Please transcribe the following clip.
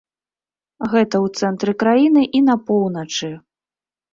Гэта ў цэнтры краіны і на поўначы.